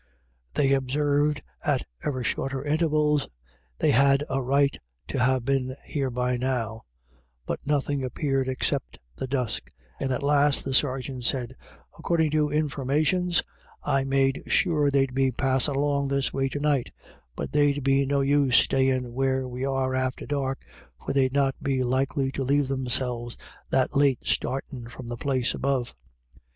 They observed at ever shorter intervals :" They had a right to ha' been here by now ;" but nothing appeared except the dusk, and at last the sergeant said :•' Accordin' to informations, I made sure they'd be passin' along this way to night ; but there'd be no use stayin' where we are after dark, for they'd not be likely to leave themselves that late startin' from the place above.